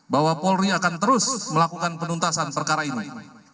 bahwa polri akan terus melakukan penuntasan perkara ini